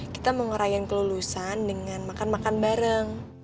kita mau ngerayain kelulusan dengan makan makan bareng